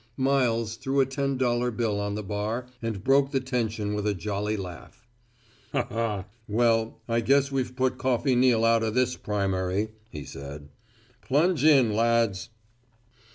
Miles threw a ten dollar bill on the bar and broke the tension with a jolly laugh. "Well, I guess we've put Coffey Neal out o' this primary," said he. "Plunge in, lads."